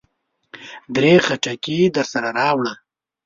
درې خټکي درسره راوړه.